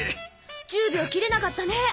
１０秒切れなかったね！